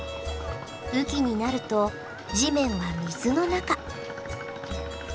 雨季になると地面は水の中。